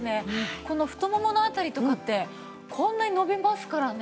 この太ももの辺りとかってこんなに伸びますからね。